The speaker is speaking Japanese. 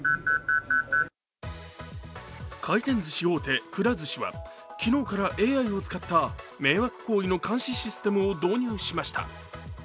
回転ずし大手くら寿司は昨日からＡＩを使った迷惑行為の監視システムを導入しました。